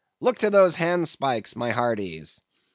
look to those handspikes, my hearties.